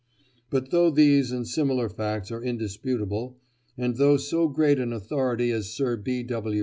But, though these and similar facts are indisputable, and though so great an authority as Sir B. W.